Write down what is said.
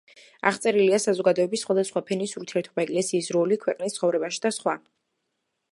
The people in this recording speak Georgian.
აღწერილია საზოგადოების სხვადასხვა ფენის ურთიერთობა, ეკლესიის როლი ქვეყნის ცხოვრებაში და სხვა.